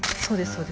そうです